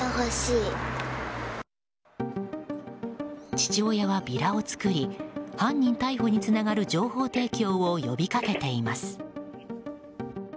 父親はビラを作り犯人逮捕につながる情報提供を呼び掛けています。